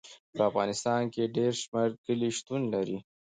په افغانستان کې ډېر شمیر کلي شتون لري.